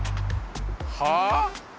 はあ？